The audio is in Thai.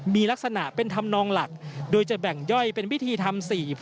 มีลักษณะเป็นธรรมนองหลักโดยจะแบ่งย่อยเป็นพิธีทำ๔